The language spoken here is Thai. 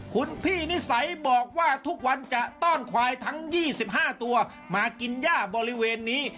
คุณพี่นิสัยบอกว่าทุกวันจะต้อนควายทั้ง๒๕ตัวมากินย่าบริเวณนี้